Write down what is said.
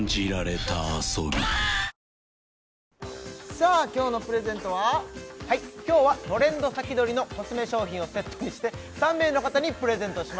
さあ今日のプレゼントははい今日はトレンド先取りのコスメ商品をセットにして３名の方にプレゼントします